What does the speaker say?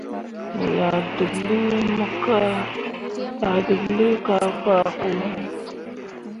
Me yah deɓlii kah faa ɓu iŋ.